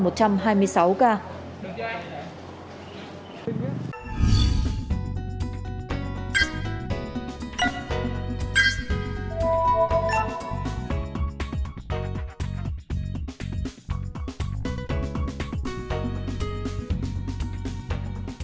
tổng số là một trăm hai mươi sáu ca